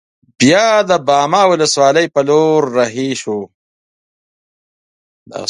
بیا د باما ولسوالۍ پر لور رهي شوو.